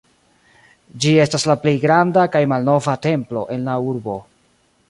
Ĝi estas la plej granda kaj malnova templo en la urbo.